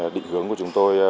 định hướng của chúng tôi